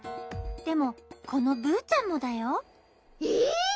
でもこのブーちゃんもだよ。えっ？